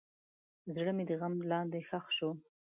زړه مې د غم لاندې ښخ شو.